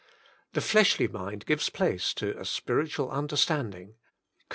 The fleshly mind gives place to a " spirit ual understanding '' (Col.